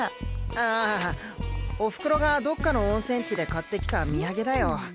ああお袋がどっかの温泉地で買ってきたみやげだよ。